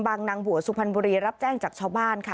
นางบัวสุพรรณบุรีรับแจ้งจากชาวบ้านค่ะ